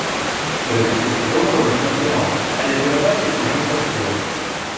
Тры тысячы долараў ён атрымаў, але перадаць іх ужо не паспеў.